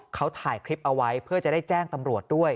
เขาถ่ายคลิปเอาไว้เพื่อจะได้แจ้งตำรวจด้วย